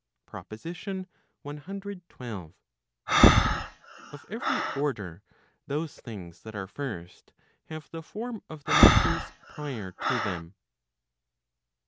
PROPOSITION CXII. Of every order those things that are first, have the form of the natures prior to them.